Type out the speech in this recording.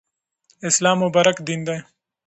اسلام مبارک دین دی.